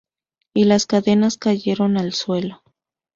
Y las cadenas cayeron al suelo.